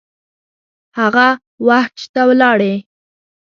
هغه ، وحج ته ولاړی